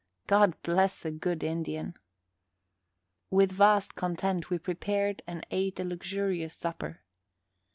God bless a good Indian! With vast content we prepared and ate a luxurious supper.